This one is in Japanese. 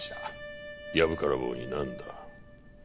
やぶから棒になんだ。